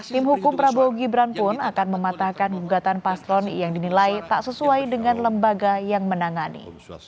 tim hukum prabowo gibran pun akan mematahkan gugatan paslon yang dinilai tak sesuai dengan lembaga yang menangani